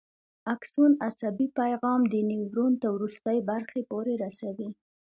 اکسون عصبي پیغام د نیورون تر وروستۍ برخې پورې رسوي.